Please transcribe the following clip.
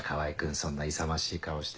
そんな勇ましい顔して。